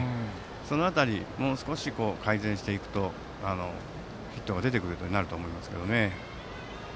その辺りをもう少し改善していくとヒットが出てくると思います。